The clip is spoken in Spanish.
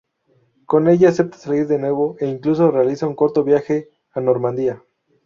Con ella acepta salir de nuevo e incluso realiza un corto viaje a Normandía.